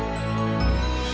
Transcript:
beriman dengan dia